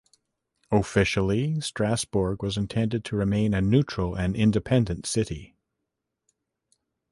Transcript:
Officially, Strasbourg was intended to remain a neutral and independent city.